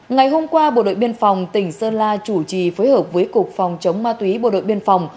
ngày hôm qua bộ đội biên phòng tỉnh sơn la chủ trì phối hợp với cục phòng chống ma túy bộ đội biên phòng